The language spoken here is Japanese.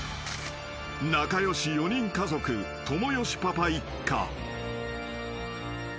［仲良し４人家族ともよしパパ一家］